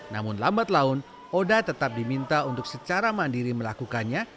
namun lambat laun oda tetap diminta untuk secara mandiri melakukannya